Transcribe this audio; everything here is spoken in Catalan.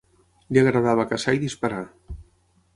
Li agradava caçar i disparar.